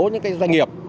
những cái doanh nghiệp